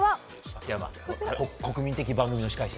秋山、国民的番組の司会者。